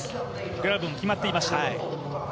グラブも決まっていました。